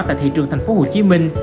tại thị trường thành phố hồ chí minh